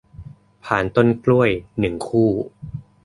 พานต้นกล้วย หนึ่ง คู่